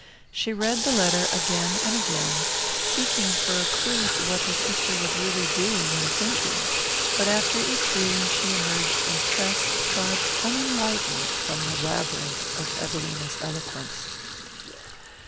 She read the letter again and again, seeking for a clue to what her sister was really doing and thinking; but after each reading she emerged impressed but unenlightened from the labyrinth of Evelina's eloquence.